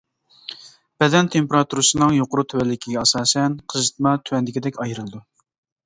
بەدەن تېمپېراتۇرىسىنىڭ يۇقىرى-تۆۋەنلىكىگە ئاساسەن قىزىتما تۆۋەندىكىدەك ئايرىلىدۇ.